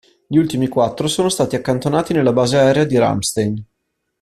Gli ultimi quattro sono stati accantonati nella base aerea di Ramstein.